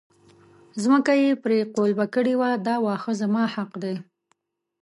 ځمکه یې پرې قلبه کړې وه دا واښه زما حق دی.